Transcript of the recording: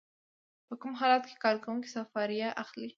په کوم حالت کې کارکوونکی سفریه اخلي؟